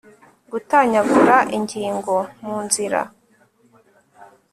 gutanyagura ingingo mu nzira